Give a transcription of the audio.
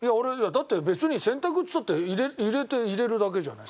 だって別に洗濯っつったって入れて入れるだけじゃない。